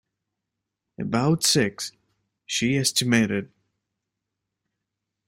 About six, she estimated.